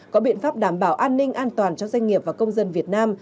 có biện pháp đảm bảo an ninh an toàn cho doanh nghiệp và công dân việt nam